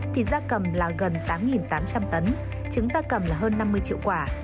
thịt da cằm là gần tám tám trăm linh tấn trứng da cằm là hơn năm mươi triệu quả